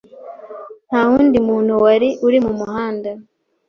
Nta wundi muntu wari uri mu muhanda.